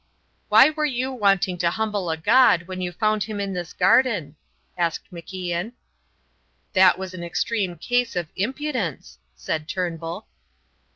"Why were you wanting to humble a god when you found him in this garden?" asked MacIan. "That was an extreme case of impudence," said Turnbull.